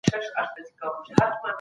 او ستا پت مي